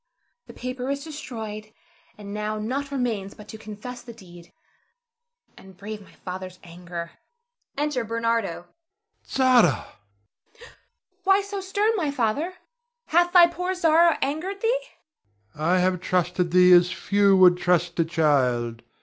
The paper is destroyed, and now nought remains but to confess the deed, and brave my father's anger. [Enter Bernardo. Ber. Zara! Zara [starts]. Why so stern, my father? Hath thy poor Zara angered thee? Ber. I have trusted thee as few would trust a child.